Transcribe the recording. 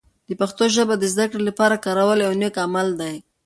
د پښتو ژبه د زده کړې لپاره کارول یوه نیک عمل دی.